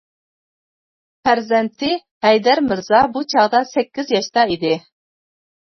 پەرزەنتى ھەيدەر مىرزا بۇ چاغدا سەككىز ياشتا ئىدى.